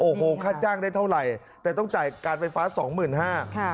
โอ้โหค่าจ้างได้เท่าไหร่แต่ต้องจ่ายการไฟฟ้าสองหมื่นห้า